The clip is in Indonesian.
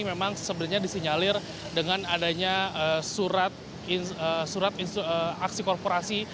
memang sebenarnya disinyalir dengan adanya surat aksi korporasi